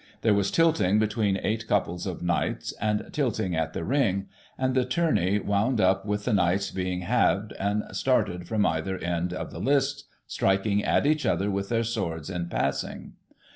There was tilting between eight couples of Knights, and tilting at the ring, and the tourney wound up with the Knights being halved, and started from either end of the lists, striking at each other with their swords in passing.